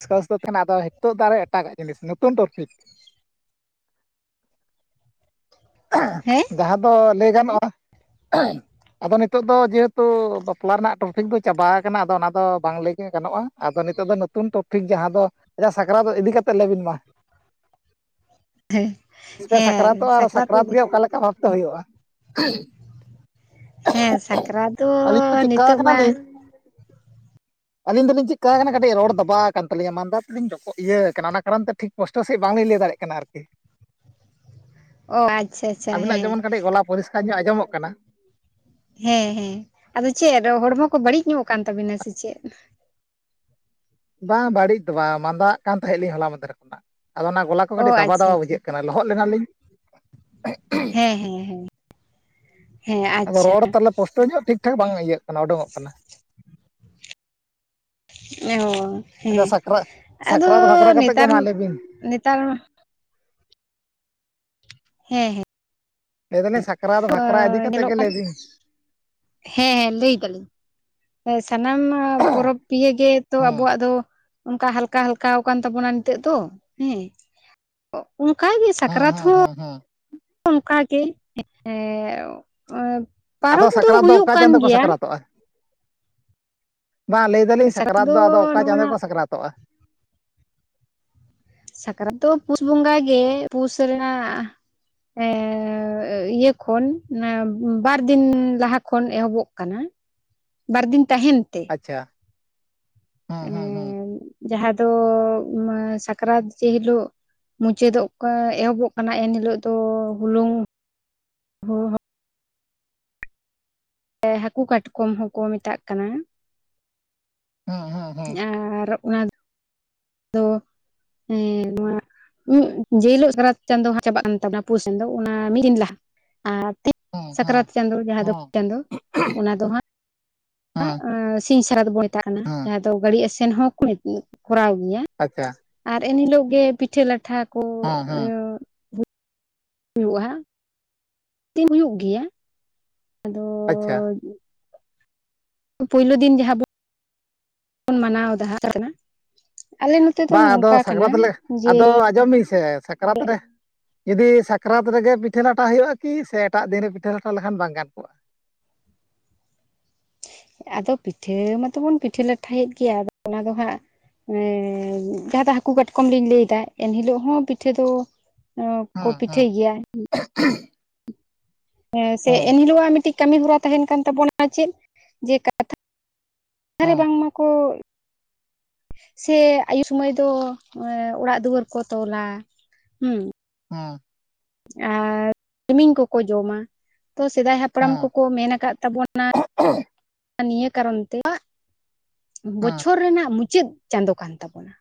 [unintelligible] ᱫᱚ ᱛᱟᱦᱮᱱᱟ ᱟᱫᱚ ᱦᱤᱛᱚᱜ ᱫᱚ ᱟᱨᱚ ᱮᱴᱟᱜ ᱡᱤᱱᱤᱥ ᱱᱚᱛᱩᱱ ᱴᱚᱨᱯᱤᱠ᱾ ᱦᱮᱸ᱾ ᱡᱟᱦᱟᱸ ᱫᱚ ᱞᱟᱹᱭ ᱜᱟᱱᱚᱜᱼᱟ ᱟᱫᱚ ᱱᱤᱛᱚᱜ ᱫᱚ ᱡᱮᱦᱮᱛᱩ ᱵᱟᱯᱞᱟ ᱨᱮᱱᱟᱜ ᱴᱨᱚᱯᱷᱤᱠ ᱫᱚ ᱪᱟᱵᱟ ᱟᱠᱟᱱᱟ ᱟᱫᱚ ᱚᱱᱟ ᱫᱚ ᱵᱟᱝ ᱞᱟᱹᱭ ᱜᱮ ᱜᱟᱱᱚᱜᱼᱟ᱾ ᱟᱫᱚ ᱱᱤᱛᱚᱜ ᱫᱚ ᱱᱚᱛᱩᱱ ᱴᱚᱯᱤᱠ ᱡᱟᱦᱟᱸ ᱫᱚ ᱟᱪᱪᱷᱟ ᱥᱟᱠᱨᱟᱛ ᱤᱫᱤ ᱠᱟᱛᱮᱫ ᱞᱮᱟᱹᱭᱵᱤᱱ ᱢᱟ? ᱦᱮ ᱛᱤᱥᱯᱮ ᱦᱮᱸ ᱥᱟᱠᱨᱟᱛᱚᱜᱼᱟ ᱟᱨ ᱥᱟᱠᱨᱟᱛ ᱜᱮ [unintelligible] ᱚᱠᱟ ᱞᱮᱠᱟ ᱵᱷᱟᱵᱛᱮ ᱦᱩᱭᱩᱜᱼᱟ? ᱦᱮᱸ ᱥᱟᱠᱨᱟᱛ ᱫᱚ ᱟᱹᱞᱤᱧ ᱫᱚ ᱪᱮᱫᱠᱟ ᱱᱤᱛᱳᱜ ᱢᱟ ᱠᱟᱱᱟᱞᱤᱧ [inaudible] ᱟᱹᱞᱤᱧ ᱫᱚᱞᱤᱧ ᱪᱤᱜᱠᱟᱣ ᱟᱠᱟᱱᱟ ᱠᱟᱹᱴᱤᱡ ᱨᱚᱲ ᱫᱟᱵᱟᱣ ᱟᱠᱟᱱ ᱛᱟᱹᱞᱤᱧᱟ ᱢᱟᱸᱱᱫᱟ ᱛᱮᱞᱤᱧ ᱡᱚᱯᱚᱜ ᱤᱭᱟᱹ ᱟᱠᱟᱱᱟ ᱚᱱᱟ ᱠᱟᱨᱚᱱ ᱛᱮ ᱴᱷᱤᱠ ᱯᱚᱥᱴᱚ ᱥᱟᱹᱦᱤᱡ ᱵᱟᱝᱞᱤᱧ ᱞᱟᱹᱭ ᱫᱟᱲᱮᱭᱟᱜ ᱠᱟᱱᱟ ᱟᱨᱠᱤ᱾ ᱚ ᱟᱪᱪᱷᱟ ᱟᱪᱪ [unintelligible] ᱟᱵᱤᱱᱟᱜ ᱡᱮᱢᱚᱱ ᱠᱟᱹᱴᱤᱡ ᱜᱚᱞᱟ ᱯᱚᱨᱤᱥᱠᱟᱨ ᱧᱚᱜ ᱟᱸᱡᱚᱢᱚᱜ ᱠᱟᱱᱟ ᱦᱮᱸ ᱦᱮᱸ ᱟᱫᱚ ᱪᱮᱫ ᱦᱚᱲᱢᱚ ᱠᱚ ᱵᱟᱹᱲᱤᱡ ᱧᱚᱜ ᱠᱟᱱ ᱛᱟᱵᱤᱱᱟ ᱥᱮ ᱪᱮᱫ? ᱵᱟᱝ ᱵᱟᱹᱲᱤᱡ ᱫᱚ ᱵᱟᱝ ᱢᱟᱸᱫᱟᱜ ᱠᱟᱱ ᱛᱟᱦᱮᱸᱞᱤᱧ ᱦᱚᱞᱟ ᱢᱟᱸᱫᱷᱮᱨ ᱠᱷᱚᱱᱟᱜ ᱟᱫᱚ ᱚᱱᱟ ᱜᱚᱞᱟ ᱠᱚ ᱚ ᱠᱟᱹᱴᱤᱡ ᱫᱟᱵᱟ ᱟᱪᱪᱷᱟ ᱫᱟᱵᱟ ᱟᱪᱪᱷᱟ ᱵᱩᱡᱷᱟᱹᱜ ᱠᱟᱱᱟ᱾ ᱞᱚᱦᱚᱫ ᱞᱮᱱᱟᱞᱤᱧ᱾ ᱦᱮᱸ ᱦᱮᱸ ᱦᱮᱸ᱾ ᱦᱮᱸ ᱟᱫᱚ ᱟᱪᱪᱷᱟ ᱨᱚᱲ ᱛᱟᱦᱚᱞᱮ ᱯᱚᱥᱴᱚ ᱧᱚᱜ ᱴᱷᱤᱠ ᱴᱷᱟᱠ ᱵᱟᱝ ᱤᱭᱟᱹᱜ ᱠᱟᱱᱟ ᱚᱰᱚᱝᱚᱜ ᱠᱟᱱᱟ᱾ ᱚ ᱟᱪᱪᱷᱟ ᱦᱮᱸ ᱥᱟᱠᱨᱟᱛ ᱟᱫᱚ ᱥᱟᱠᱨᱟᱛ ᱵᱟᱠᱷᱨᱟ ᱠᱟᱛᱮᱫ ᱜᱮ ᱱᱮᱛᱟᱨ ᱢᱟ ᱞᱟᱹᱭᱵᱤᱱ ᱱᱮᱛᱟᱨ ᱢᱟ ᱦᱮᱸ ᱦᱮᱸ᱾ ᱞᱟᱹᱭ ᱮᱫᱟᱞᱤ ᱥᱟᱠᱨᱟᱛ ᱵᱟᱷᱟᱠᱨᱟ ᱤᱫᱤ ᱦᱮᱸ ᱠᱟᱮᱫ ᱧᱮᱞᱚᱜ ᱜᱮ ᱠᱟᱱ ᱞᱟᱹᱭ ᱵᱤᱱ᱾ ᱦᱮᱸ ᱞᱟᱹᱭ ᱫᱟᱞᱤᱧ ᱥᱟᱱᱟᱢ ᱯᱚᱨᱚᱵᱽ ᱯᱤᱭᱟᱹ ᱜᱮᱛᱚ ᱦᱮᱸ ᱟᱵᱚᱣᱟᱜ ᱫᱚ ᱚᱱᱠᱟ ᱦᱟᱞᱠᱟ ᱦᱟᱞᱠᱟ ᱟᱠᱟᱱ ᱛᱟᱵᱚᱱᱟ ᱱᱤᱛᱚᱜ ᱫᱚ ᱦᱮᱸ ᱚᱱᱠᱟᱜᱮ ᱦᱮᱸ ᱥᱟᱠᱨᱟᱛ ᱦᱮᱸ ᱦᱚᱸ ᱦᱮᱸ ᱦᱮᱸ ᱚᱱᱠᱟ ᱜᱮ [unintelligible] ᱮᱸᱻ ᱟᱫᱚ ᱯᱟᱨᱚᱵ ᱫᱚ ᱥᱟᱠᱨᱟᱛ ᱦᱩᱭᱩᱜ ᱚᱠᱟ ᱠᱟᱱ ᱪᱟᱸᱫᱳ ᱠᱚ ᱜᱮᱭᱟ᱾ ᱥᱟᱠᱨᱟᱛᱚᱜᱼᱟ ᱵᱟ ᱞᱟᱹᱭ ᱮᱫᱟᱞᱤᱧ ᱥᱟᱠᱨᱟᱛ ᱫᱚ ᱟᱫᱚ ᱚᱠᱟ ᱪᱟᱸᱫᱚ ᱠᱚ ᱥᱟᱠᱨᱟᱛᱚᱜᱼᱟ? ᱥᱟᱠᱨᱟᱛ ᱫᱚ ᱯᱩᱥ ᱵᱚᱸᱜᱟ ᱜᱮ ᱯᱩᱥ ᱨᱮᱱᱟᱜ ᱮᱸᱻ ᱤᱭᱟᱹ ᱠᱷᱚᱱ ᱵᱟᱨᱫᱤᱱ ᱞᱟᱦᱟ ᱠᱷᱚᱱ ᱮᱦᱚᱵᱚᱜ ᱠᱟᱱᱟ᱾ ᱵᱟᱨ ᱫᱤᱱ ᱛᱟᱦᱮᱱ ᱛᱮ᱾ ᱟᱪᱪᱷᱟ ᱦᱮᱸ ᱦᱮᱸ ᱦᱮᱸ᱾ ᱡᱟᱦᱟᱸ ᱫᱚ ᱥᱟᱠᱨᱟᱛ ᱡᱮ ᱦᱤᱞᱳᱜ ᱢᱩᱪᱟᱹᱫᱚᱜ ᱠᱟᱱᱟ ᱮᱦᱚᱵᱚᱜ ᱠᱟᱱᱟ ᱮᱱᱦᱤᱞᱳᱜ ᱫᱚ ᱦᱩᱞᱩᱝ [unintelligible] ᱮᱸ ᱦᱟᱹᱠᱩ ᱠᱟᱴᱠᱚᱢ ᱦᱚᱸᱠᱚ ᱢᱮᱛᱟᱜ ᱠᱟᱱᱟ᱾ ᱦᱮᱸ ᱦᱮᱸ ᱦᱮᱸ᱾ ᱟᱨ ᱚᱱᱟ ᱫᱚ ᱮᱸ ᱱᱚᱣᱟ ᱡᱮᱦᱤᱞᱳᱜ ᱥᱟᱨᱟᱛ ᱪᱟᱸᱫᱳ ᱦᱟᱜ ᱪᱟᱵᱟᱜ ᱠᱟᱱ ᱛᱟᱵᱚᱱᱟ ᱯᱩᱥ ᱪᱟᱸᱫᱚ ᱚᱱᱟ ᱢᱤᱫ ᱫᱤᱱ ᱞᱟᱦᱟ ᱟᱨ ᱦᱮᱸ ᱦᱮᱸ ᱥᱟᱠᱨᱟᱛ ᱪᱟᱸᱫᱳ ᱡᱟᱦᱟᱸ ᱫᱚ ᱦᱮᱸ [unintelligible] ᱪᱟᱸᱫᱚᱳ ᱚᱱᱟ ᱫᱚ ᱦᱟᱸᱜ ᱦᱮᱸ ᱮᱸ ᱥᱤᱧ ᱥᱟᱨᱟ ᱫᱚᱵᱚᱱ ᱢᱮᱛᱟᱜ ᱠᱟᱱᱟ ᱦᱮᱸ ᱡᱟᱦᱟᱸ ᱫᱚ ᱜᱟᱹᱲᱤ ᱟᱥᱮᱱ ᱦᱚᱸᱠᱚ ᱠᱚᱨᱟᱣ ᱜᱮᱭᱟ᱾ ᱟᱪᱪᱷᱟ᱾ ᱟᱨ ᱮᱱᱦᱤᱞᱳᱜ ᱜᱮ ᱯᱤᱴᱷᱟᱹ ᱞᱟᱴᱷᱟ ᱠᱚ ᱦᱮᱸ ᱦᱮᱸ [unintelligible] ᱦᱩᱭᱩᱜ-ᱟ ᱦᱟᱸᱜ᱾ ᱛᱤᱱ ᱦᱩᱭᱩᱜ ᱜᱮᱭᱟ ᱟᱫᱚ ᱟᱪᱪᱷᱟ ᱯᱩᱭᱞᱩ ᱫᱤᱱ ᱡᱟᱦᱟᱸ ᱵᱚ ᱵᱚᱱ ᱢᱟᱱᱟᱣ ᱫᱟ ᱦᱟᱜ [unintelligible] ᱵᱟ ᱟᱫᱚ ᱥᱟᱠᱨᱟᱛ ᱞᱮ ᱟᱫᱚ ᱡᱮ ᱟᱸᱡᱚᱢ ᱵᱤᱱ ᱥᱮ ᱥᱟᱠᱨᱟᱛ ᱨᱮ ᱡᱩᱫᱤ ᱥᱟᱠᱨᱟᱛ ᱨᱮᱜᱮ ᱯᱤᱴᱷᱟᱹ ᱞᱟᱴᱷᱟ ᱦᱩᱭᱩᱜ-ᱟ ᱠᱤ ᱥᱮ ᱮᱴᱟᱜ ᱫᱤᱱ ᱨᱮ ᱯᱤᱴᱷᱟᱹ ᱞᱟᱴᱟ ᱞᱮᱠᱷᱟᱱ ᱵᱟᱝ ᱜᱟᱱ ᱠᱚᱜ-ᱟ? ᱟᱫᱚ ᱯᱤᱴᱷᱟᱹ ᱢᱟᱛᱚᱵᱚᱱ ᱯᱤᱴᱷᱟᱹ ᱞᱟᱴᱷᱟᱭᱮᱫ ᱜᱮᱭᱟ ᱟᱫᱚ ᱚᱱᱟ ᱫᱚ ᱦᱟᱸᱜ ᱮᱸ ᱡᱟᱦᱟᱸᱴᱟᱜ ᱦᱟᱹᱠᱩ ᱠᱟᱴᱠᱚᱢ ᱞᱤᱧ ᱞᱟᱹᱭᱫᱟ ᱮᱱ ᱦᱤᱞᱳᱹᱜ ᱦᱚᱸ ᱯᱤᱴᱷᱟᱹ ᱫᱚ ᱚ ᱠᱚ ᱦᱮᱸ ᱦᱮᱸ ᱯᱤᱴᱷᱟᱹᱭ ᱜᱤᱭᱟ᱾ ᱥᱮ ᱦᱮᱸ ᱮᱱᱦᱤᱞᱳᱜ ᱟᱜ ᱢᱤᱫᱴᱤᱡ ᱠᱟᱹᱢᱤ ᱦᱚᱨᱟ ᱛᱟᱦᱮᱱ ᱠᱟᱱ ᱛᱟᱵᱚᱱᱟ ᱪᱮᱫ ᱡᱮ ᱠᱟ ᱨᱮ ᱦᱮᱸ ᱵᱟᱝᱢᱟ ᱠᱚ [inaudible] ᱥᱮ ᱟᱭᱩ ᱥᱩᱢᱟᱹᱭ ᱫᱚ ᱚᱲᱟᱜ ᱫᱩᱣᱟᱹᱨ ᱠᱚ ᱛᱚᱞᱟ ᱦᱩᱸ ᱦᱩᱸ ᱟᱨ ᱛᱤᱢᱤᱧ ᱠᱚᱠᱚ ᱡᱚᱢᱟ ᱛᱚ ᱥᱮᱫᱟᱭ ᱦᱟᱯᱲᱟᱢ ᱦᱮᱸ ᱠᱚᱠᱚ ᱢᱮᱱ ᱠᱟᱫ ᱛᱟᱵᱚᱱᱟ ᱱᱤᱭᱟᱹ ᱠᱟᱨᱚᱱ ᱛᱮ [inaudible] ᱦᱮᱸ ᱦᱮᱸ ᱵᱚᱪᱷᱚᱨ ᱨᱮᱱᱟᱜ ᱢᱩᱪᱟᱹᱫ ᱪᱟᱸᱫᱳ ᱠᱟᱱ ᱛᱟᱵᱚᱱᱟ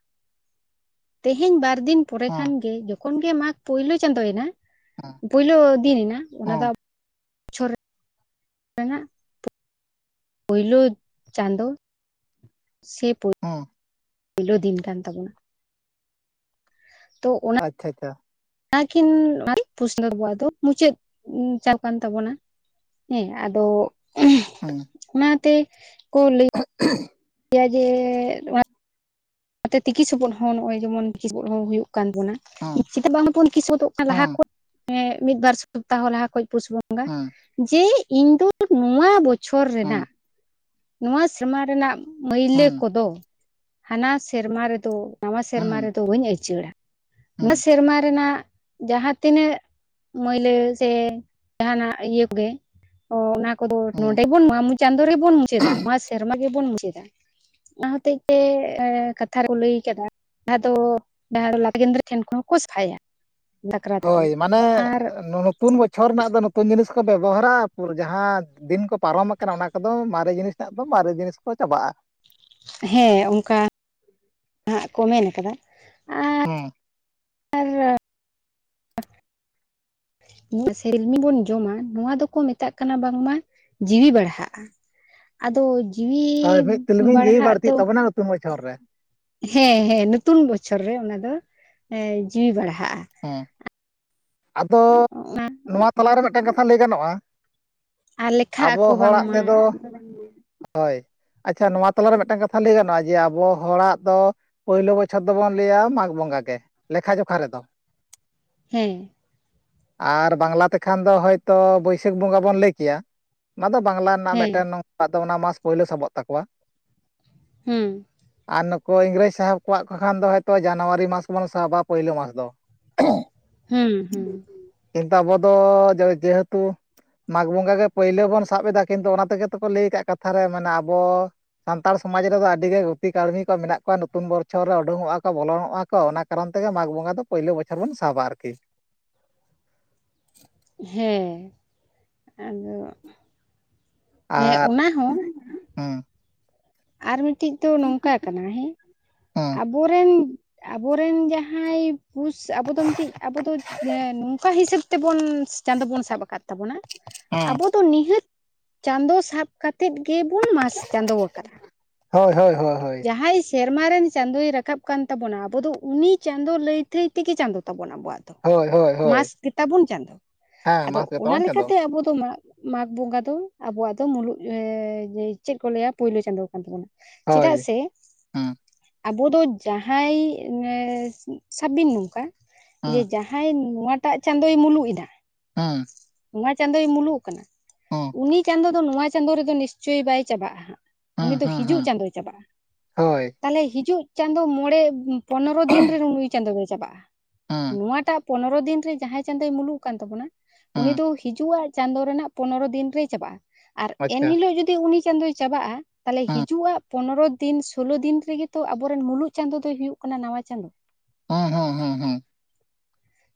ᱛᱮᱦᱮᱧ ᱵᱟᱨ ᱫᱤᱱ ᱯᱚᱨᱮ ᱠᱷᱟᱱ ᱦᱮᱸ ᱜᱮ ᱡᱚᱠᱷᱚᱱ ᱜᱮ ᱢᱟᱜᱽ ᱯᱳᱭᱞᱳ ᱪᱟᱸᱫᱚᱭᱮᱱᱟ ᱯᱳᱭᱞᱳ ᱫᱤᱱ ᱮᱱᱟ ᱚᱱᱟ ᱦᱮᱸ ᱫᱚ ᱟ ᱵᱚᱪᱷᱚᱨ ᱨᱮᱱᱟᱜ ᱯᱳᱭᱞᱳ ᱪᱟᱸᱫᱚ ᱥᱮ ᱯᱳᱭ ᱦᱩᱸ ᱯᱳᱭᱞᱳ ᱫᱤᱱ ᱠᱟᱱ ᱛᱟᱵᱚᱱᱟ ᱛᱚ ᱚᱱᱟ ᱟᱪᱷᱟ ᱟᱪᱪᱷᱟ ᱟ ᱱᱟ ᱠᱤᱱ [inaudible] ᱯᱚᱥᱱᱚ ᱟᱵᱚᱣᱟᱜ ᱫᱚ ᱢᱩᱪᱟᱹᱫ ᱪᱟᱵ ᱠᱟᱱ ᱛᱟᱵᱚᱱᱟ᱾ ᱦᱮᱸ ᱟᱫᱚ ᱦᱮᱸ [inaudible] ᱚᱱᱟᱛᱮ ᱠᱚ ᱞᱟᱹᱭ [inaudible] ᱜᱮᱭᱟ ᱡᱮ [unintelligible] ᱟᱛᱮ ᱛᱤᱠᱤ ᱥᱚᱵᱚᱫ ᱦᱚᱸ ᱱᱚᱜ-ᱚᱭ ᱡᱮᱢᱚᱱ ᱦᱚᱸ ᱦᱩᱭᱩᱜ ᱠᱟᱱᱵᱚᱱᱟ ᱦᱮᱸ ᱪᱤᱫᱟᱜ ᱵᱟᱝ ᱵᱚᱱ ᱠᱤᱥᱚᱫᱚᱜ ᱠᱟᱱᱟ ᱞᱟᱦᱟ ᱦᱮᱸ ᱦᱮᱸ ᱠᱷᱚᱱ ᱢᱤᱫ ᱵᱟᱨ ᱥᱚᱯᱛᱟᱦᱚ ᱞᱟᱦᱟ ᱠᱷᱚᱡ ᱯᱩᱥ ᱵᱚᱸᱜᱟ ᱦᱮᱸ ᱡᱮ ᱤᱧ ᱫᱚ ᱱᱚᱣᱟ ᱵᱚᱪᱷᱚᱨ ᱦᱮᱸ ᱨᱮᱱᱟᱜ ᱱᱚᱣᱟ ᱥᱮᱨᱢᱟ ᱨᱮᱱᱟᱜ ᱢᱟᱹᱭᱞᱟᱹ ᱠᱚᱫᱚ ᱦᱟᱱᱟ ᱥᱮᱨᱢᱟ ᱨᱮᱫᱚ ᱱᱟᱣᱟ ᱦᱮᱸ ᱥᱮᱨᱢᱟ ᱦᱮᱸ ᱨᱮᱫᱚ ᱵᱟᱹᱧ ᱟᱹᱭᱪᱟᱹᱲᱟ ᱱᱚᱣᱟ ᱥᱮᱨᱢᱟ ᱨᱮᱱᱟᱜ ᱡᱟᱦᱟᱸ ᱛᱤᱱᱟᱹᱜ ᱢᱟᱹᱭᱞᱟᱹ ᱥᱮ ᱡᱟᱦᱟᱱᱟᱜ ᱤᱭᱟᱹ ᱠᱚᱜᱮ ᱚ ᱚᱱᱟ ᱠᱚᱫᱚ ᱦᱮᱸ ᱱᱚᱰᱮ ᱵᱚᱱ ᱚᱣᱟ ᱢᱩ ᱪᱟᱸᱫᱳ ᱨᱮᱵᱚᱱ ᱢᱩᱪᱟᱹᱫᱟ ᱱᱚᱣᱟ ᱥᱮᱨᱢᱟ ᱜᱮᱵᱚᱱ ᱢᱩᱪᱟᱹᱫᱟ, ᱚᱱᱟ ᱦᱚᱛᱮᱡ ᱛᱮ ᱮ ᱠᱟᱛᱷᱟ ᱨᱮᱠᱚ ᱞᱟᱹᱭ ᱠᱟᱫᱟ, ᱡᱟᱦᱟᱸ ᱫᱚ ᱡᱟᱦᱟᱸ ᱫᱚ ᱞᱟᱛ ᱜᱮᱸᱫᱽᱨᱮᱡ ᱴᱷᱮᱱ ᱠᱷᱚᱱ ᱦᱚᱸᱠᱚ ᱥᱟᱯᱷᱟᱭᱟ, ᱥᱟᱠᱨᱟᱛ ᱨᱮᱫᱚ ᱦᱚᱭ ᱢᱟᱱᱮ ᱟᱨ ᱱᱚ ᱱᱚᱛᱩᱱ ᱵᱚᱪᱷᱚᱨ ᱨᱮᱱᱟᱜ ᱫᱚ ᱱᱚᱛᱩᱱ ᱡᱤᱱᱤᱥ ᱠᱚ ᱵᱮᱵᱚᱦᱟᱨᱟ ᱡᱟᱦᱟᱸ ᱫᱤᱱ ᱠᱚ ᱯᱟᱨᱚᱢ ᱟᱠᱟᱱᱟ ᱚᱱᱟ ᱠᱚᱫᱚ ᱢᱟᱨᱮ ᱡᱤᱱᱤᱥ ᱨᱮᱱᱟᱜ ᱫᱚ ᱢᱟᱨᱮ ᱡᱤᱱᱤᱥ ᱠᱚ ᱪᱟᱵᱟᱜ-ᱟ, ᱦᱮᱸ ᱚᱝᱠᱟ ᱦᱟᱸᱜ ᱠᱚ ᱢᱮᱱ ᱠᱟᱫᱟ ᱟ ᱦᱩᱸ ᱥᱮᱞᱢᱤ ᱵᱚᱱ ᱡᱚᱢᱟ ᱱᱚᱣᱟ ᱫᱚᱠᱚ ᱢᱮᱛᱟᱜ ᱠᱟᱱᱟ ᱵᱟᱝᱢᱟ ᱡᱤᱣᱤ ᱵᱟᱲᱦᱟᱜ-ᱟ ᱟᱫᱚ ᱡᱤᱣᱤ ᱦᱳᱭ ᱢᱤᱫ ᱛᱤᱞᱢᱤᱧ ᱡᱤᱣᱤ ᱵᱟᱲᱦᱟᱜ ᱫᱚ ᱵᱟᱹᱲᱛᱤᱜ ᱛᱟᱵᱚᱱᱟ ᱱᱚᱛᱩᱱ ᱵᱚᱪᱷᱚᱨ ᱨᱮ ᱦᱮᱸ ᱦᱮᱸ ᱱᱚᱛᱩᱱ ᱵᱚᱪᱷᱚᱨ ᱨᱮ ᱚᱱᱟ ᱫᱚ ᱡᱤᱣᱤ ᱮ ᱵᱟᱲᱦᱟᱜ-ᱟ᱾ ᱦᱩᱸ ᱟᱫᱚ ᱱᱚᱣᱟ ᱛᱟᱞᱟᱨᱮ ᱢᱮᱫᱴᱮᱱ ᱠᱟᱛᱷᱟ ᱞᱟᱹᱭ ᱜᱟᱱᱚᱜ-ᱟ᱾ ᱟᱨ ᱞᱮᱠᱷᱟᱜ ᱟᱵᱚ ᱟᱠᱚ ᱦᱚᱲᱟᱜ ᱵᱟᱝᱢᱟ ᱛᱮᱫᱚ ᱦᱚᱭ ᱟᱪᱪᱷᱟ ᱱᱚᱣᱟ ᱛᱟᱞᱟᱨᱮ ᱢᱮᱫᱴᱟᱝ ᱠᱟᱛᱷᱟ ᱞᱟᱹᱭ ᱜᱟᱱᱚᱜ-ᱟ ᱡᱮ ᱟᱵᱚ ᱦᱚᱲᱟᱜ ᱫᱚ᱾ ᱯᱳᱭᱞᱳ ᱵᱚᱪᱷᱚᱨ ᱫᱚᱵᱚᱱ ᱞᱟᱹᱭᱟ ᱢᱟᱜᱽ ᱵᱚᱸᱜᱟ ᱜᱮ ᱞᱮᱠᱷᱟ ᱡᱚᱠᱷᱟ ᱨᱮᱫᱚ, ᱦᱮᱸ ᱟᱨ ᱵᱟᱝᱞᱟ ᱛᱮᱠᱷᱟᱱ ᱫᱚ ᱦᱚᱭᱛᱚ ᱵᱟᱹᱭᱥᱟᱹᱠᱷ ᱵᱚᱸᱜᱟ ᱵᱚᱱ ᱞᱟᱹᱭ ᱠᱮᱭᱟ᱾ ᱚᱱᱟ ᱫᱚ ᱵᱟᱝᱞᱟ ᱨᱮᱱᱟᱜ ᱦᱮᱸ ᱢᱤᱫᱴᱮᱱ ᱱᱚᱝ ᱚᱱᱟ ᱢᱟᱥ ᱯᱳᱭᱞᱳ ᱥᱟᱵᱚᱜ ᱛᱟᱠᱚᱣᱟ, ᱦᱩᱸ ᱟᱨ ᱱᱩᱠᱩ ᱤᱝᱨᱮᱡᱽ ᱥᱟᱦᱮᱵᱽ ᱠᱚᱣᱟᱜ ᱠᱚ ᱠᱷᱟᱱ ᱫᱚ ᱦᱭ ᱛᱚ ᱡᱟᱱᱩᱣᱟᱨᱤ ᱢᱟᱥ ᱵᱚᱱ ᱥᱟᱵᱟ ᱯᱳᱭᱞᱳ ᱢᱟᱥ ᱫᱚ᱾ ᱦᱩᱸ ᱦᱩᱸ [unintelligible] ᱠᱤᱱᱛᱩ ᱟᱵᱚᱫᱚ [inaudible] ᱡᱮᱦᱮᱛᱩ ᱢᱟᱜᱽ ᱵᱚᱸᱜᱟ ᱜᱮ ᱯᱳᱭᱞᱳ ᱵᱚᱱ ᱥᱟᱵ ᱮᱫᱟ ᱠᱤᱱᱛᱩ ᱚᱱᱟ ᱛᱮᱜᱮ ᱛᱚᱠᱚ ᱞᱟᱹᱭ ᱠᱟᱜ ᱠᱟᱛᱷᱟ ᱨᱮ ᱢᱟᱱᱮ ᱟᱵᱚ ᱥᱟᱱᱛᱟᱲ ᱥᱚᱢᱟᱡᱽ ᱨᱮᱫᱚ ᱟᱹᱰᱤ ᱜᱮ ᱜᱩᱛᱤ ᱠᱟᱹᱲᱢᱤ ᱠᱚ ᱢᱮᱱᱟᱜ ᱠᱚᱣᱟ ᱱᱚᱛᱩᱱ ᱵᱚᱪᱷᱚᱨ ᱨᱮ ᱩᱰᱩᱝᱚᱜᱼᱟ ᱠᱚ ᱵᱚᱞᱚᱱᱚᱜᱼᱟᱠ ᱾ ᱠᱚ ᱚᱱᱟ ᱠᱟᱨᱚᱱ ᱛᱮᱜᱮ ᱢᱟᱜ ᱵᱚᱸᱜᱟ ᱫᱚ ᱯᱳᱭᱞᱳ ᱵᱚᱪᱷᱚᱨ ᱵᱚᱱ ᱥᱟᱵᱟ ᱟᱨᱠᱤ ᱾ ᱦᱮᱸ ᱟᱫᱚ ᱦᱮᱸ ᱟᱨ ᱚᱱᱟ ᱦᱚᱸ [inaudible] ᱦᱩᱸ ᱟᱨ ᱢᱤᱫᱴᱤᱡ ᱫᱚ ᱱᱚᱝᱠᱟ ᱠᱟᱱᱟ ᱦᱮᱸ ᱦᱩᱸ ᱟᱵ ᱵᱚᱨᱮᱱ ᱟᱵᱚᱨᱮᱱ ᱡᱟᱦᱟᱸᱭ ᱾ ᱯᱩᱥ ᱟᱵᱚ ᱫᱚ ᱢᱤᱫᱴᱤᱡ ᱟᱵᱚ ᱫᱚ ᱡᱮᱸ ᱱᱚᱝᱠᱟ ᱦᱤᱥᱟᱹᱵ ᱛᱮᱵᱚᱱ ᱪᱟᱸᱫᱳ ᱵᱚᱱ ᱥᱟᱵ ᱟᱠᱟᱫ ᱛᱟᱵᱚᱱᱟ ᱾ [inaudible] ᱛᱚ ᱱᱤᱦᱟᱹᱛ ᱪᱟᱸᱫᱚ ᱥᱟᱵ ᱠᱟᱛᱮᱜ ᱜᱮᱵᱩᱱ ᱢᱟᱥ ᱪᱟᱸᱫᱚ ᱟᱠᱟᱫᱟ ᱾ ᱦᱳᱭ ᱦᱳᱭ ᱦᱳ ᱦᱳᱭ ᱾ ᱦᱟᱸᱭ ᱥᱮᱨᱢᱟ ᱨᱮᱱ ᱪᱟᱸᱫᱳᱭ ᱨᱟᱠᱟᱵ ᱠᱟᱱ ᱛᱟᱵᱚᱱᱟ ᱟᱵᱚ ᱫᱚ ᱩᱱᱤ ᱪᱟᱸᱫᱳ ᱞᱟᱹᱭ ᱛᱷᱟᱹᱭ ᱛᱮᱜᱮ ᱪᱟᱸᱫᱳ ᱛᱟᱵᱚᱱᱟ ᱟᱵᱚᱣᱟᱜ ᱾ ᱫᱚ ᱦᱳᱭ ᱦᱳᱭ ᱦᱳᱭ ᱢᱟᱥ ᱜᱮᱛᱟᱵᱚᱱ ᱪᱟᱸᱫᱳ ᱦᱮᱸ ᱟᱫᱚ ᱢᱟᱥ ᱚᱱᱟ ᱜᱮᱛᱟᱵᱚᱱ ᱪᱟᱸᱫᱳ ᱞᱮᱠᱟᱛᱮ ᱟᱵᱚ ᱫᱚ ᱢᱟᱫ ᱢᱟᱜᱽ ᱵᱚᱸᱜᱟ ᱫᱚ ᱟᱵᱚᱣᱟᱜ ᱫᱚ ᱢᱩᱞᱩᱜ [inaudible] ᱡᱮ ᱪᱮᱜ ᱠᱚ ᱞᱟᱹᱭᱟ ᱯᱳᱭᱞᱳ ᱪᱟᱸᱫᱚ ᱠᱟᱱ ᱛᱟᱵᱚᱱᱟ ᱾ ᱪᱮᱫᱟᱜ ᱦᱳᱭ ᱥᱮ ᱦᱩᱸ ᱟᱵᱚ ᱫᱚ ᱡᱟᱦᱟᱸᱭ [inaudible] ᱥᱟᱵᱵᱤᱱ ᱱᱚᱝᱠᱟ ᱡᱮ ᱦᱩᱸ ᱡᱟᱦᱟᱸ ᱦᱟᱭ ᱱᱚᱣᱟᱴᱟᱜ ᱪᱟᱸᱫᱚᱭ ᱢᱩᱞᱩᱜ ᱮᱫᱟ ᱾ ᱦᱟᱸ ᱩᱱᱟ ᱪᱟᱸᱫᱳᱭ ᱢᱩᱞᱩᱜ ᱠᱟᱱᱟ ᱦᱩᱸ ᱩᱱᱤ ᱪᱟᱸᱫᱚ ᱫᱚ ᱱᱚᱣᱟ ᱪᱟᱸᱫᱳ ᱨᱮᱫᱚ ᱱᱤᱥᱪᱳᱭ ᱵᱟᱭ ᱪᱟᱵᱟᱜᱼᱟ ᱦᱟᱸᱜ ᱾ ᱩᱱᱤ ᱦᱩᱸ ᱫᱚ ᱦᱩᱸ ᱦᱤᱡᱩᱜ ᱦᱩᱸ ᱪᱟᱸᱫᱳᱭ ᱪᱟᱞᱟᱜᱼᱟ ᱦᱳᱭ ᱛᱟᱦᱞᱮ ᱦᱤᱡᱩᱜ ᱪᱟᱸᱫᱳ ᱢᱚᱬᱮ ᱯᱚᱱᱮᱨᱚ ᱫᱤᱱ ᱨᱮᱱ ᱱᱩᱭ ᱪᱟᱸᱫᱳ ᱫᱚᱭ ᱪᱟᱵᱟᱜᱼᱟ ᱦᱩᱸ ᱱᱚᱣᱟᱴᱟᱜ ᱯᱚᱱᱮᱨᱚ ᱫᱤᱱ ᱨᱮ ᱡᱟᱦᱟᱸᱭ ᱪᱟᱸᱫᱳᱭ ᱢᱩᱞᱩᱜ ᱠᱟᱱ ᱛᱟᱵᱚᱱᱟ ᱩᱱᱤ ᱦᱩᱸ ᱫᱚ ᱦᱤᱡᱩᱟᱜ ᱪᱟᱸᱫᱳ ᱨᱮᱱᱟᱜ ᱯᱚᱱᱮᱨᱚ ᱫᱤᱱ ᱨᱮᱭ ᱪᱟᱵᱟᱜᱼᱟ ᱟᱨ ᱟᱪᱪᱷᱟ ᱮᱱᱦᱤᱞᱳᱜ ᱡᱩᱫᱤ ᱩᱱᱤ ᱪᱟᱸᱫᱳᱭ ᱪᱟᱵᱟᱜᱼᱟ ᱛᱟᱞᱮ ᱦᱩᱸ ᱦᱤᱡᱩᱜ ᱟ ᱯᱚᱱᱮᱨᱚ ᱫᱤᱱ ᱥᱳᱞᱞᱳ ᱫᱤᱱ ᱨᱮᱜᱮᱛᱚ ᱟᱵᱚᱨᱮᱱ ᱢᱩᱞᱩᱜ ᱪᱟᱸᱫᱳ ᱫᱚᱭ ᱦᱩᱭᱩᱜ ᱠᱟᱱᱟ ᱱᱟᱣᱟ ᱪᱟᱸᱫᱳ ᱾ ᱦᱚᱸ ᱦᱚᱸ ᱦᱚᱸ ᱦᱚᱸ ᱾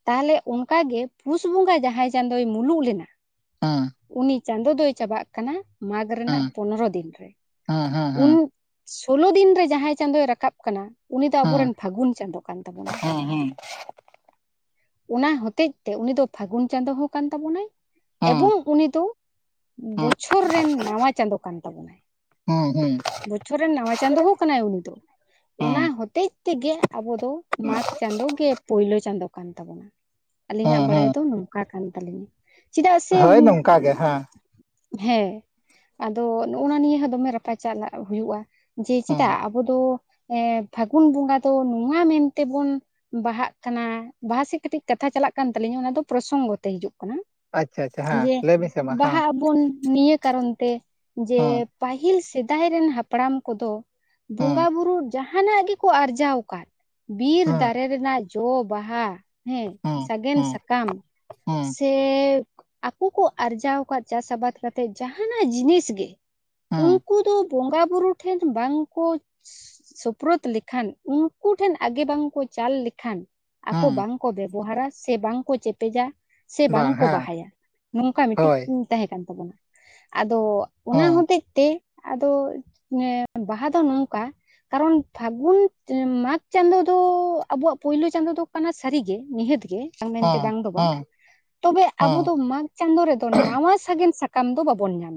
ᱛᱟᱦᱟᱞᱮ ᱚᱱᱠᱟᱜᱮ ᱯᱩᱥ ᱵᱚᱸᱜᱟ ᱡᱟᱦᱟᱸᱭ ᱪᱟᱸᱫᱳᱭ ᱢᱩᱞᱩᱜ ᱞᱮᱱᱟ ᱾ [inaudible] ᱩᱱᱤ ᱪᱟᱸᱫᱳ ᱫᱚᱭ ᱪᱟᱵᱟᱜ ᱠᱟᱱᱟ ᱢᱟᱜᱽ ᱨᱮᱱᱟᱜ ᱦᱩᱸ ᱯᱚᱱᱚᱨᱚ ᱫᱤᱱ ᱨᱮ ᱾ ᱦᱩᱸ ᱦᱩᱸ ᱩᱱ ᱦᱩᱸ ᱥᱳᱞᱳ ᱫᱤᱱ ᱨᱮ ᱡᱟᱦᱟᱸᱭ ᱪᱟᱸᱫᱳᱭ ᱨᱟᱠᱟᱵ ᱠᱟᱱᱟ ᱾ ᱩᱱᱤ ᱫᱚ ᱦᱩᱸ ᱟᱵᱚᱨᱮᱱ ᱯᱷᱟᱹᱜᱩᱱ ᱪᱟᱸᱫᱳ ᱠᱟᱱ ᱛᱟᱵᱚᱱᱟᱭ ᱾ ᱦᱩᱸ ᱦᱩᱸ ᱚᱱᱟ ᱦᱚᱛᱮᱡ ᱛᱮ ᱩᱱᱤ ᱫᱚ ᱯᱷᱟᱹᱜᱩᱱ ᱪᱟᱸᱫᱳ ᱦᱚᱸ ᱠᱟᱱ ᱛᱟᱵᱚᱱᱟᱭ ᱦᱩᱸ ᱮᱵᱚᱝ ᱩᱱᱤ ᱫᱚ ᱦᱩᱸ ᱦᱩᱸ ᱵᱚᱪᱷᱚᱨ ᱨᱮᱱ ᱱᱟᱣᱟ ᱪᱟᱸᱫᱳ ᱠᱟᱱ ᱛᱟᱵᱚᱱᱟᱭ ᱾ ᱦᱩᱸ ᱦᱩᱸ ᱵᱚᱪᱷᱚᱨ ᱨᱮᱱ ᱱᱟᱣᱟ ᱪᱟᱸᱫᱳ ᱦᱚᱸ ᱠᱟᱱᱟᱭ ᱩᱱᱤ ᱫᱚ ᱦᱩᱸ ᱚᱱᱟ ᱦᱚᱛᱮᱡ ᱾ ᱛᱮᱜᱮ ᱟᱵᱚ ᱫᱚ ᱢᱟᱜᱽ ᱪᱟᱸᱫᱳ ᱜᱮ ᱯᱳᱭᱞᱳ ᱪᱟᱸᱫᱳ ᱠᱟᱱ ᱛᱟᱵᱚᱱᱟ ᱾ ᱟᱹᱞᱤᱧᱟᱜ ᱦᱩᱸ ᱵᱟᱲᱟᱭ ᱦᱩᱸ ᱫᱚ ᱱᱚᱝᱠᱟ ᱠᱟᱱ ᱛᱟᱞᱤᱧᱟ ᱪᱮᱫᱟᱜ ᱥᱮ [inaudible] ᱦᱳᱭ ᱱᱚᱝᱠᱟ ᱜᱮ ᱦᱮᱸ ᱦᱮᱸ ᱟᱫᱚ ᱱᱚᱜ-ᱟ ᱱᱤᱭᱟᱹ ᱦᱚᱸ ᱫᱚᱢᱮ ᱨᱟᱯᱟᱪᱟᱞᱟᱜ ᱦᱩᱭᱩᱜᱼᱟ ᱾ ᱡᱮ ᱦᱩᱸ ᱪᱮᱫᱟᱜ ᱟᱵᱚ ᱫᱚ ᱮ ᱯᱷᱟᱹᱜᱩᱱ ᱵᱚᱸᱜᱟ ᱫᱚ ᱱᱚᱣᱟ ᱢᱮᱱᱛᱮᱵᱚᱱ ᱵᱟᱦᱟᱜ ᱠᱟᱱᱟ ᱵᱟᱦᱟ ᱥᱮᱫ ᱠᱟᱹᱴᱤᱡ ᱠᱟᱛᱷᱟ ᱪᱟᱞᱟᱜ ᱠᱟᱱ ᱛᱟᱞᱤᱧᱟ ᱚᱱᱟᱫᱚ ᱯᱨᱚᱥᱚᱝᱜᱚ ᱛᱮ ᱦᱤᱡᱩᱜ ᱠᱟᱱᱟ ᱾ ᱟᱪᱪᱷᱟ ᱟᱪᱪᱷᱟ ᱦᱮᱸ ᱡᱮ ᱞᱟᱹᱭ ᱵᱤᱱ ᱥᱮ ᱢᱟ ᱦᱮᱸ ᱵᱟᱦᱟᱜ ᱟᱵᱚᱱ ᱱᱤᱭᱟᱹ ᱠᱟᱨᱚᱱ ᱛᱮ ᱡᱮ ᱦᱩᱸ ᱯᱟᱹᱦᱤᱞ ᱥᱮᱫᱟᱭ ᱨᱮᱱ ᱦᱟᱯᱲᱟᱢ ᱠᱚᱫᱚ ᱵᱚᱸᱜᱟ ᱦᱩᱸ ᱵᱩᱨᱩ ᱡᱟᱦᱟᱱᱟᱜ ᱜᱮᱠᱚ ᱟᱨᱡᱟᱣ ᱟᱠᱟᱫ ᱵᱤᱨ ᱦᱩᱸ ᱫᱟᱨᱮ ᱨᱮᱱᱟᱜ ᱡᱚ ᱵᱟᱦᱟ ᱦᱮᱸ ᱦᱩᱸ ᱥᱟᱜᱮᱱ ᱦᱩᱸ ᱥᱟᱠᱟᱢ ᱦᱩᱸ ᱥᱮ ᱟᱠᱚ ᱠᱚ ᱟᱨᱡᱟᱣ ᱟᱠᱟᱜ ᱪᱟᱥ ᱟᱵᱟᱫ ᱠᱟᱛᱮᱜ ᱡᱟᱦᱟᱱᱟᱜ ᱡᱤᱱᱤᱥ ᱜᱮ ᱾ᱩᱱ ᱦᱩᱸ ᱠᱚ ᱵᱚᱸᱜᱟ ᱵᱩᱨᱩ ᱴᱷᱮᱱ ᱵᱟᱝᱠᱚ ᱥᱩᱯᱨᱫ ᱞᱮᱠᱷᱟᱱ ᱩᱱᱠᱩ ᱴᱷᱮᱱ ᱟᱜᱮ ᱵᱟᱝᱠᱚ ᱪᱟᱞ ᱞᱮᱠᱷᱟᱱ ᱟᱠᱚ ᱦᱩᱸ ᱵᱟᱝᱠᱚ ᱵᱮᱵᱚᱦᱟᱨᱟ ᱥᱮ ᱵᱟᱝᱠᱚ ᱪᱮᱯᱮᱡᱟ, ᱥᱮ ᱵᱟᱝ ᱠᱚ ᱵᱟᱦᱟᱭᱟ ᱱᱚᱝᱠᱟ ᱦᱳᱭ ᱢᱤᱫᱴᱤᱡᱧ ᱛᱟᱦᱮᱸ ᱠᱟᱱ ᱛᱟᱵᱚᱱᱟ ᱟᱫᱚ, ᱚᱱᱟ ᱦᱩᱸ ᱦᱚᱛᱮᱜ ᱛᱮ ᱟᱫᱚ ᱵᱟᱦᱟ ᱫᱚ ᱱᱚᱝᱠᱟ, ᱠᱟᱨᱚᱱ ᱯᱷᱟᱹᱜᱩᱱ ᱢᱟᱜᱽ ᱪᱟᱸᱫᱳ ᱫᱚ ᱟᱵᱚᱣᱟᱜ ᱯᱩᱭᱭᱞᱳ ᱪᱟᱸᱫᱚᱳ ᱫᱚ ᱠᱟᱱᱟ ᱥᱟᱹᱨᱤᱜᱮ ᱱᱤᱦᱟᱹᱛ ᱜᱮ, ᱢᱮᱱᱛᱮ ᱦᱩᱸ ᱵᱟᱝ ᱫᱚ ᱵᱟᱝ ᱦᱩᱸ ᱛᱚᱵᱮ ᱟᱵᱚ ᱦᱩᱸ ᱫᱚ ᱢᱟᱜᱽ ᱪᱟᱸᱫᱳ ᱨᱮᱫᱚ ᱱᱟᱣᱟ ᱥᱟᱜᱮᱱ ᱥᱟᱠᱟᱢ, ᱥᱟᱠᱟᱢ ᱫᱚ ᱵᱟᱵᱚᱱ ᱧᱟᱢ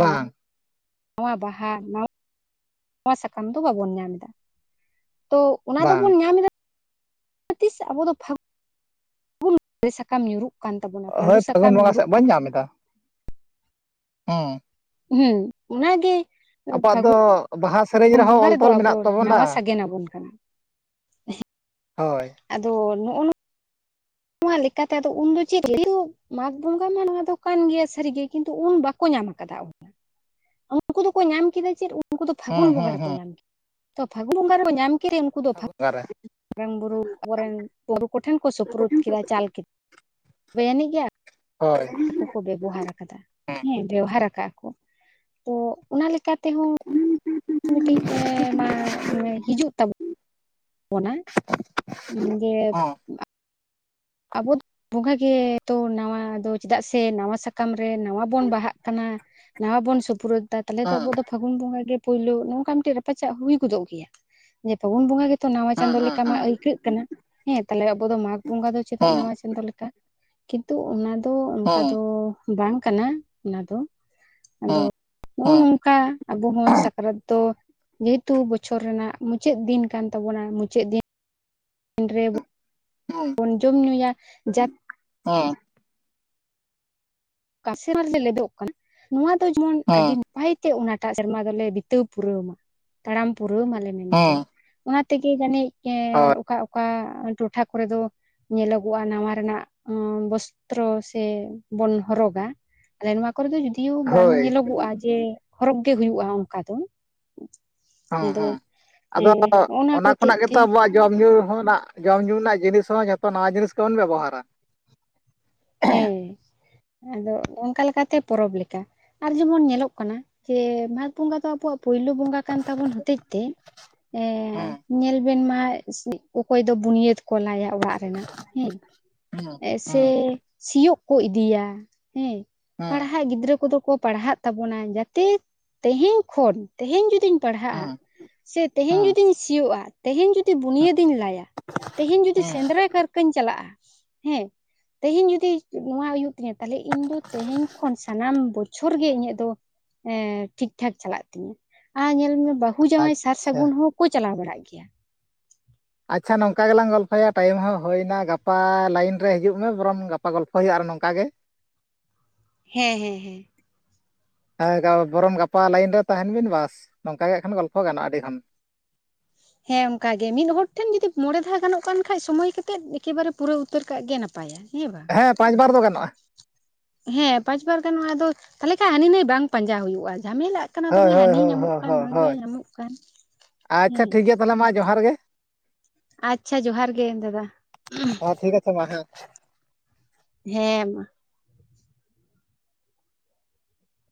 ᱵᱟᱝ ᱵᱟᱦᱟ, ᱱᱚᱣᱟ ᱥᱟᱠᱟᱢ ᱫᱚ ᱵᱟᱵᱚᱱ ᱧᱟᱢ ᱮᱫᱟ ᱛᱚ ᱚᱱᱟ ᱵᱟᱝ ᱫᱚᱵᱚᱱ ᱧᱟᱢ ᱮᱫᱟ, ᱛᱤᱥ ᱟᱵᱚ ᱫᱚ ᱯᱷᱟᱜ, ᱫᱟᱨᱮ ᱥᱟᱠᱟᱢ ᱧᱩᱨᱩᱜ ᱠᱟᱱ ᱛᱟᱵᱚᱱᱟ ᱯᱟᱺᱰᱩ ᱦᱳᱭ ᱯᱷᱟᱹᱜᱩᱱ ᱥᱟᱠᱟᱢ ᱵᱚᱸᱜᱟ ᱧᱩᱨᱩᱜ ᱥᱮᱫ ᱠᱟᱱᱟ, ᱵᱟᱹᱧ ᱧᱟᱢ ᱮᱫᱟ ᱦᱮᱸ, ᱦᱮᱸ ᱚᱱᱟᱜᱮ, ᱟᱵᱚᱣᱟᱜ ᱫᱚ ᱯᱷᱟᱹᱜᱩᱱ ᱵᱟᱦᱟ ᱥᱮᱨᱮᱧ ᱨᱮᱦᱚᱸ ᱵᱚᱸᱜᱟ ᱚᱞ ᱨᱮᱫᱚ ᱛᱚᱞ ᱟᱵᱚ ᱢᱮᱱᱟᱜ ᱫᱚ ᱛᱟᱵᱚᱱᱟ, ᱱᱟᱣᱟ ᱥᱟᱜᱮᱱ ᱟᱵᱚᱱ ᱠᱟᱱᱟ ᱦᱳᱭ, ᱟᱫᱚ ᱱᱚᱜᱼᱚ ᱱᱚᱣᱟ, ᱱᱚᱣᱟ ᱞᱮᱠᱟᱛᱮ ᱟᱫᱚ ᱩᱱ ᱫᱚ ᱪᱮᱫ, ᱢᱟᱜᱽ ᱵᱚᱸᱜᱟ ᱢᱟ ᱱᱚᱶᱟ ᱫᱚ ᱠᱟᱱ ᱜᱮᱭᱟ ᱥᱟᱹᱨᱤᱜᱮ ᱠᱤᱱᱛᱩ ᱩᱱ ᱵᱟᱠᱚ ᱧᱟᱢ ᱟᱠᱟᱫᱟ, ᱩᱱᱠᱩ ᱫᱚᱠᱚ ᱧᱟᱢ ᱠᱮᱫᱟ ᱪᱮᱫ ᱩᱱᱠᱩ ᱫᱚ ᱦᱩᱸ ᱯᱷᱟᱹᱜᱩᱱ ᱵᱚᱸᱜᱟ ᱦᱩᱸ ᱨᱮᱠᱚ ᱦᱩᱸ ᱧᱟᱢ ᱠᱮᱫᱟ ᱛᱚ ᱯᱷᱟᱹᱜᱩᱱ ᱵᱚᱸᱜᱟ ᱨᱮᱠᱚ ᱧᱟᱢ ᱠᱮᱫᱟ, ᱩᱱᱠᱩ ᱫᱚ ᱵᱚᱸᱜᱟ ᱨᱮ ᱢᱟᱨᱟᱝ ᱵᱩᱨᱩ ᱠᱚᱨᱮᱱ ᱵᱩᱨᱩ ᱠᱚᱴᱷᱮᱱ ᱠᱚ ᱥᱩᱯᱨᱩᱫ, ᱠᱮᱫᱟ ᱪᱟᱞ ᱠᱮᱫᱟ ᱛᱚᱵᱮ ᱟᱹᱱᱤᱡ ᱜᱮᱭᱟ, ᱦᱳᱭ, ᱵᱮᱵᱚᱦᱟᱨ ᱟᱠᱟᱫᱟ ᱦᱩᱸ ᱦᱮᱸ ᱵᱮᱣᱚᱦᱟᱨ ᱟᱠᱟᱫᱟ ᱠᱚ ᱛᱚ ᱚᱱᱟ ᱞᱮᱠᱟᱛᱮᱦᱚᱸ, ᱢᱤᱫᱴᱤᱡ ᱮᱸ ᱢᱟ ᱦᱤᱡᱩᱜ ᱛᱟ ᱵᱚᱱᱟ ᱡᱮ, ᱦᱩᱸ ᱟᱵᱚ ᱵᱚᱸᱜᱟᱜᱮ ᱛᱚ ᱱᱟᱣᱟ ᱫᱚ ᱪᱮᱫᱟᱜ ᱥᱮ ᱱᱟᱣᱟ ᱥᱟᱠᱟᱢ ᱨᱮ ᱱᱟᱣᱟ, ᱵᱟᱜ ᱠᱟᱱᱟ ᱱᱟ ᱵᱚᱱ ᱥᱩᱯᱨᱩᱫ ᱫᱟ ᱛᱟᱦᱚᱞᱮ ᱛᱮ, ᱦᱩᱸ ᱯᱷᱟᱹᱜᱩᱱ ᱵᱚᱸᱜᱟᱟᱜᱮ ᱯᱳᱭᱞᱳ ᱱᱚᱝᱠᱟ ᱢᱤᱫᱴᱮᱡ ᱨᱟᱯᱪᱟᱜ ᱦᱩᱭ ᱜᱚᱫᱚᱜ ᱜᱮᱭᱟ ᱡᱮ ᱯᱷᱟᱹᱜᱩᱱ ᱵᱚᱸᱜᱟ ᱜᱮ, ᱱᱟᱣᱟ ᱦᱩᱸ ᱪᱟᱸᱫᱳ ᱦᱩᱸ ᱞᱮᱠᱟ ᱢᱟ ᱟᱹᱭᱠᱟᱹᱜ ᱠᱟᱱᱟ ᱦᱮᱸ ᱛᱟᱦᱞᱮ ᱟᱵᱚ ᱫᱚ ᱢᱟᱜᱽ ᱵᱚᱸᱜᱟ ᱫᱚ ᱪᱮᱫᱟᱜ ᱦᱩᱸ ᱦᱩᱸ ᱱᱟᱣᱟ, ᱪᱚᱱᱫᱚ ᱞᱮᱠᱟ ᱠᱤᱱᱛᱩ ᱚᱱᱟ ᱫᱚ ᱚᱱᱠᱟ ᱦᱩᱸ ᱫᱚ ᱵᱟᱝ ᱠᱟᱱᱟ ᱚᱱᱟ ᱫᱚ, ᱟᱫᱚ ᱱᱚᱜᱼᱚ ᱦᱩᱸ ᱱᱚᱝᱠᱟ ᱟᱵᱚ ᱦᱚᱸ ᱥᱟᱠᱨᱟᱛ ᱫᱚ, ᱡᱮᱦᱮᱛᱩ ᱵᱚᱪᱷᱚᱨ ᱨᱮᱱᱟᱜ ᱢᱩᱪᱟᱹᱫ ᱫᱤᱱ ᱠᱟᱱ ᱛᱟᱵᱚᱱᱟ ᱢᱩᱪᱟᱹᱫ ᱫᱤᱱ, ᱫᱤᱱ ᱨᱮ, ᱦᱩᱸ ᱡᱟᱛ ᱦᱮᱸ, ᱠᱟᱥᱮᱢᱟᱨ ᱨᱮ ᱞᱮᱫᱚᱜ ᱠᱟᱱᱟ ᱱᱚᱣᱟ ᱫᱚ ᱡᱮᱢᱚᱱ ᱟᱹᱰᱤ, ᱦᱩᱸ ᱱᱟᱯᱟᱭᱛᱮ ᱚᱱᱟᱴᱟᱜ ᱥᱮᱨᱢᱟ ᱫᱚᱞᱮ ᱵᱤᱛᱟᱹᱣ ᱯᱩᱨᱟᱹᱣ ᱢᱟ ᱛᱟᱲᱟᱢ ᱯᱩᱨᱟᱹᱣ ᱢᱟᱞᱮ ᱢᱮᱱᱛᱮ, ᱦᱩᱸ ᱚᱱᱟ ᱛᱮᱜᱮ ᱡᱟᱹᱱᱤᱡ ᱮ ᱦᱳᱭ ᱚᱠᱟ ᱚᱠᱟ ᱴᱚᱴᱷᱟ ᱠᱚᱨᱮ ᱫᱚ, ᱧᱮᱞᱚᱜᱚᱜᱼᱟ ᱱᱟᱣᱟ ᱨᱮᱱᱟᱜ ᱵᱚᱥᱛᱨᱚ ᱥᱮ ᱵᱚᱱ, ᱦᱚᱨᱚᱜᱟ ᱟᱞᱮ ᱱᱚᱣᱟ ᱠᱚᱨᱮ ᱫᱚ ᱡᱩᱫᱤᱭᱳ ᱵᱟᱝ ᱦᱳᱭ ᱧᱮᱞᱚᱜᱚᱜᱼᱟ ᱡᱮ, ᱦᱚᱨᱚᱜᱽ ᱜᱮ ᱦᱩᱭᱩᱜᱼᱟ ᱚᱱᱠᱟ ᱫᱚ, ᱦᱮᱸ ᱟᱫᱚ ᱦᱮᱸ ᱟᱫᱚ ᱦᱮᱸ ᱱᱚᱜᱼᱚ ᱱᱟ ᱚᱱᱟ ᱦᱚᱛᱮᱡ ᱠᱷᱚᱱᱟᱜ ᱛᱮ ᱜᱮᱛᱚ ᱟᱵᱚᱣᱟᱜ, ᱡᱚᱢ ᱧᱩ ᱦᱚᱸ ᱨᱮᱱᱟᱜ ᱡᱚᱢ ᱧᱩ ᱨᱮᱱᱟᱜ ᱡᱤᱱᱤᱥ ᱦᱚᱸ ᱡᱚᱛᱚ ᱱᱟᱣᱟ ᱡᱤᱱᱤᱥ ᱜᱮᱵᱚᱱ ᱵᱮᱵᱚᱦᱟᱨᱟ, ᱦᱮᱸ, ᱟᱫᱚ ᱚᱱᱠᱟ ᱞᱮᱠᱟᱛᱮ ᱯᱚᱨᱚᱵᱽ ᱞᱮᱠᱟ ᱟᱨ ᱡᱮᱢᱚᱱ ᱧᱮᱞᱚᱜ ᱠᱟᱱᱟ ᱡᱮ ᱢᱟᱜᱽ ᱵᱚᱸᱜᱟ ᱫᱚ ᱟᱵᱚᱣᱟᱜ, ᱯᱩᱭᱞᱩ ᱵᱚᱸᱜᱟ ᱠᱟᱱ ᱛᱟᱵᱚᱱ ᱦᱚᱛᱮᱡ ᱛᱮ ᱮᱸ ᱦᱩᱸ ᱧᱮᱞ ᱵᱮᱱ ᱢᱟ ᱚᱠᱚᱭ ᱫᱚ ᱵᱩᱱᱤᱭᱟᱹᱫ ᱠᱚ ᱞᱟᱭᱟ ᱾ ᱚᱲᱟᱜ ᱨᱮᱱᱟᱜ ᱦᱮᱸ ᱦᱩᱸ ᱥᱮ ᱦᱩᱸ ᱥᱤᱭᱳᱜ ᱠᱚ ᱤᱫᱤᱭᱟ ᱦᱮᱸ ᱾ ᱦᱩᱸ ᱯᱟᱲᱦᱟᱜ ᱜᱤᱫᱽᱨᱟᱹ ᱠᱚᱫᱚ ᱠᱚ ᱯᱟᱲᱦᱟᱜ ᱛᱟᱵᱚᱱᱟ ᱡᱟᱛᱮ ᱛᱮᱦᱮᱧ ᱠᱷᱚᱱ ᱛᱮᱦᱮᱧ ᱡᱩᱫᱤᱧ ᱯᱟᱲᱦᱟᱜᱼᱟ ᱦᱩᱸ ᱥᱮ ᱛᱮᱦᱮᱧ ᱦᱩᱸ ᱡᱩᱫᱤᱧ ᱥᱤᱭᱳᱜᱼᱟ ᱛᱮᱦᱮᱧ ᱡᱩᱫᱤ ᱵᱩᱱᱤᱭᱟᱹᱫᱤᱧ ᱞᱟᱭᱟ ᱾ ᱛᱮᱦᱮᱧ ᱡᱩᱫᱤ ᱦᱩᱸ ᱥᱮᱸᱫᱽᱨᱟ ᱠᱟᱨᱠᱟᱧ ᱪᱟᱞᱟᱜᱼᱟ ᱦᱮᱸ ᱾ ᱛᱮᱦᱮᱧ ᱡᱩᱫᱤ ᱱᱚᱣᱟ ᱦᱩᱭᱩᱜ ᱛᱤᱧᱟᱹ ᱛᱟᱦᱚᱞᱮ ᱤᱧ ᱫᱚ ᱛᱮᱦᱮᱧ ᱠᱷᱚᱱ ᱥᱟᱱᱟᱢ ᱵᱚ ᱪᱷᱚᱨ ᱜᱮ ᱤᱧᱟᱹᱜ ᱫᱚ ᱮᱸ ᱴᱷᱤᱠ ᱴᱷᱟᱠ ᱪᱟᱞᱟᱜ ᱛᱤᱧᱟᱹ ᱟᱨ ᱧᱮᱞ ᱢᱮ ᱵᱟᱦ ᱦᱩ ᱡᱟᱶᱟᱭ ᱥᱟᱨ ᱟᱪᱪᱷᱟ ᱥᱟᱹᱜᱩᱱ ᱦᱚᱸᱠᱚ ᱪᱟᱞᱟᱣ ᱵᱟᱲᱟᱜ ᱜᱮᱭᱟ᱾ ᱟᱪᱪᱷᱟ ᱱᱚᱝᱠᱟ ᱜᱮᱞᱟᱝ ᱜᱚᱞᱯᱷᱚᱭᱟ ᱴᱟᱭᱤᱢ ᱦᱚᱸ ᱦᱩᱭᱱᱟ ᱜᱟᱯᱟ ᱞᱟᱭᱤᱱ ᱨᱮ ᱦᱤᱡᱩᱜ ᱢᱮ ᱵᱚᱨᱚᱝ ᱜᱟᱯᱟ ᱜᱚᱞᱯᱷᱚᱭ ᱦᱩᱭᱩᱜᱼᱟ ᱟᱨᱚ ᱱᱚᱝᱠᱟ ᱜᱮ᱾ ᱦᱮᱸ ᱦᱮᱸ ᱦᱮᱸ᱾ ᱦᱮᱸ ᱜᱟ ᱵᱚᱨᱚᱱ ᱜᱟᱯᱟ ᱞᱟᱭᱤᱱ ᱨᱮ ᱛᱟᱦᱮᱱ ᱵᱤᱱ ᱵᱟᱥ ᱱᱚᱝᱠᱟ ᱜᱮ ᱠᱷᱟᱱ ᱜᱚᱞᱯᱷᱚ ᱜᱟᱱᱚᱜᱼᱟ ᱟᱹᱰᱤ ᱠᱷᱚᱱ᱾ ᱦᱮᱸ ᱚᱱᱠᱟ ᱜᱮ ᱢᱤᱫ ᱦᱚᱲ ᱴᱷᱮᱱ ᱡᱩᱫᱤ ᱢᱚᱬᱮ ᱫᱷᱟᱣ ᱜᱟᱱᱚᱜ ᱠᱟᱱ ᱠᱷᱟᱡ ᱥᱚᱢᱚᱭ ᱠᱟᱛᱮᱜ ᱮᱠᱮᱵᱟᱨᱮ ᱯᱩᱨᱟᱹᱣ ᱩᱛᱟᱹᱨ ᱠᱟᱜ ᱜᱮ ᱱᱟᱯᱟᱭᱟ᱾ ᱦᱮᱸ ᱵᱟᱝ ᱾ ᱦᱮᱸ ᱯᱟᱸᱪ ᱵᱟᱨ ᱫᱚ ᱜᱟᱱᱚᱜᱼᱟ᱾ ᱦᱮᱸ ᱯᱟᱸᱪ ᱵᱟᱨ ᱜᱟᱱᱚᱜᱼᱟ ᱟᱫᱚ ᱛᱟᱦᱞᱮ ᱠᱷᱟᱡ ᱦᱟᱹᱱᱤ ᱱᱟᱹᱭ ᱵᱟᱝ ᱯᱟᱸᱡᱟ ᱦᱩᱭᱩᱜᱼᱟ, ᱡᱷᱟᱢᱮᱞᱟᱜ ᱠᱟᱱᱟ ᱦᱳᱭ ᱫᱚᱢᱮ ᱦᱳᱭ ᱦᱟᱹᱱᱤᱭ ᱦᱳᱭ ᱧᱟᱢᱚᱜ ᱠᱟᱱ ᱦᱳᱭ ᱱᱩᱭ ᱵᱟᱭ ᱦᱳᱭ ᱧᱟᱢᱚᱜ ᱠᱟᱱ᱾ ᱦᱮᱸ ᱛᱟᱦᱞᱮ ᱢᱟ ᱡᱚᱦᱟᱨ ᱜᱮ᱾ ᱟᱪᱪᱷᱟ ᱡᱚᱦᱟᱨ ᱜᱮ ᱫᱟᱫᱟ᱾ ᱴᱷᱤᱠᱟᱪᱷᱮ ᱢᱟ ᱦᱮᱸ᱾ ᱦᱮᱸ ᱢᱟ᱾